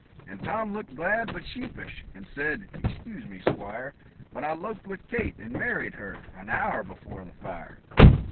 And Tom looked glad, but sheepish; and said, "Excuse me, Squire, But I 'loped with Kate, and married her an hour before the fire."